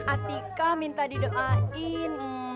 atika minta didoain